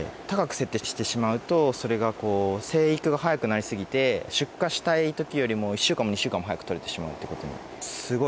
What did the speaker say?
高く設定してしまうとそれがこう生育が早くなりすぎて出荷したい時よりも１週間も２週間も早くとれてしまうということになります。